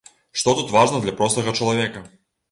Што тут важна для простага чалавека?